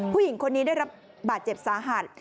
ผู้หญิงคนนี้ได้รับบาดเจ็บสาหัส